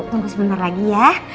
tunggu sebentar lagi ya